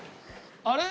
あれ？